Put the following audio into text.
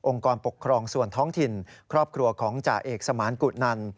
กรปกครองส่วนท้องถิ่นครอบครัวของจ่าเอกสมานกุนัน